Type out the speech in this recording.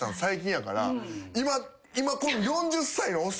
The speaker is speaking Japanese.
今。